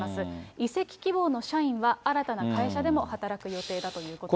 移籍希望の社員は新たな会社でも働く予定だということです。